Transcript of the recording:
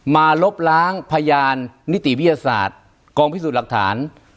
ลบล้างพยานนิติวิทยาศาสตร์กองพิสูจน์หลักฐาน